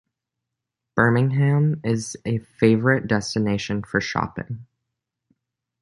Birmingham is a favourite destination for shopping.